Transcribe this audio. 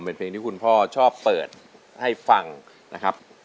เป็นเพลงที่คุณพ่อชอบเปิดให้ฟังนะครับ